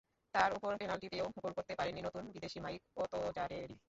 তার ওপর পেনাল্টি পেয়েও গোল করতে পারেননি নতুন বিদেশি মাইক ওতোজারেরি।